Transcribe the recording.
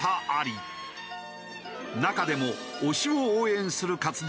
中でも推しを応援する活動